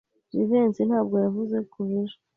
Jivency ntabwo yavuze kuva ejo.